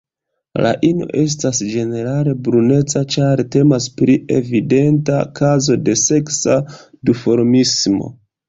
La ino estas ĝenerale bruneca, ĉar temas pri evidenta kazo de seksa duformismo.